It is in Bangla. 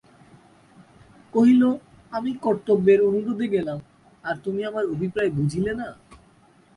কহিল, আমি কর্তব্যের অনুরোধে গেলাম, আর তুমি আমার অভিপ্রায় বুঝিলে না?